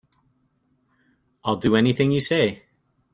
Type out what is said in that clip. I'll do anything you say.